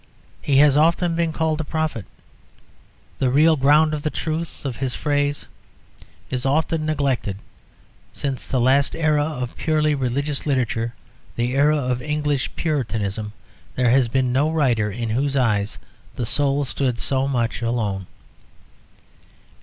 He has often been called a prophet. The real ground of the truth of this phrase is often neglected. Since the last era of purely religious literature, the era of English Puritanism, there has been no writer in whose eyes the soul stood so much alone.